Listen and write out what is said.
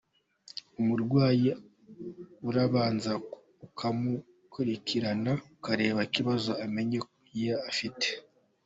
Umurwayi urabanza ukamukurikirana ukareba ikibazo amenyo ye afite.